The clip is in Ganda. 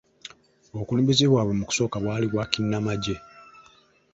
Obukulembeze bwabwe mu kusooka bwali bwa kinnamagye.